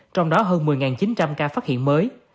trong đó hơn một mươi chín trăm linh ca phát hiện mới